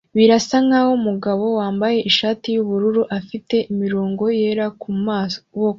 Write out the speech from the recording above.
Birasa nkaho umugabo wambaye ishati yubururu afite imirongo yera kumaboko